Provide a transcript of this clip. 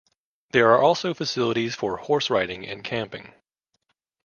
There are also facilities for horse-riding and camping.